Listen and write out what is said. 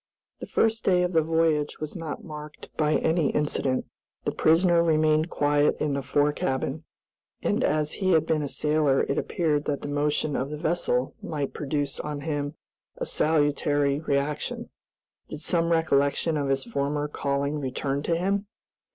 The first day of the voyage was not marked by any incident. The prisoner remained quiet in the fore cabin, and as he had been a sailor it appeared that the motion of the vessel might produce on him a salutary reaction. Did some recollection of his former calling return to him?